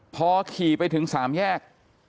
พอขี่ไปถึง๓แยก